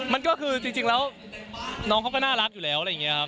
มันก็คือจริงแล้วน้องเขาก็น่ารักอยู่แล้วอะไรอย่างนี้ครับ